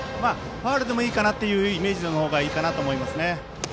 ファウルでもいいかなというイメージの方がいいと思います。